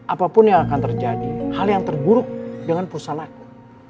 apapun yang akan terjadi hal yang terburuk dengan perusahaanku